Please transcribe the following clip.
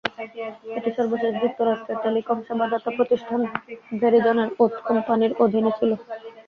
এটি সর্বশেষ যুক্তরাষ্ট্রের টেলিকম সেবাদাতা প্রতিষ্ঠান ভেরিজনের ওথ কোম্পানির অধীনে ছিল।